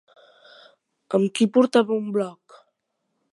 Amb qui portava un blog?